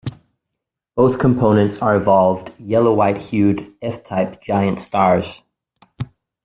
Both components are evolved, yellow-white hued, F-type giant stars.